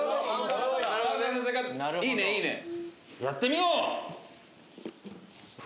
やってみよう！